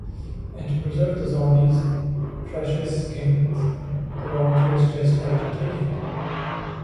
And to preserve the Zombies' precious skins the volunteers just have to take it.